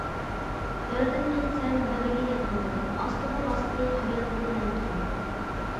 بىرىدىن كەچسەم بىرىگە يەتمىدىم، ئاستىغا باستى ھاياتنىڭ يەلكىنى.